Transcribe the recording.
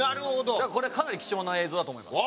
だからこれはかなり貴重な映像だと思います。